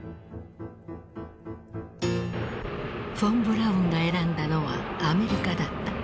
フォン・ブラウンが選んだのはアメリカだった。